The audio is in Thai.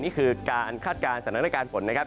นี่คือการคาดการณ์สถานการณ์ฝนนะครับ